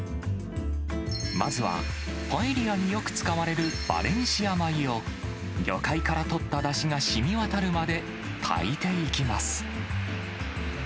まずはパエリアによく使われるバレンシア米を、魚介から取っただしがしみわたるまで、炊いていきます。